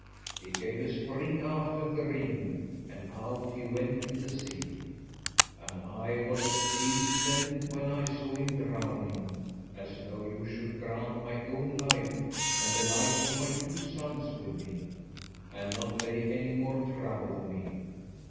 He gave a spring after the ring, and out he went in the sea. And I was as pleased then when I saw him drowning, as though you should grant my own life and the life of my two sons with me, and not lay any more trouble on me.